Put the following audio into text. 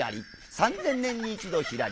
３，０００年に一度ひらり。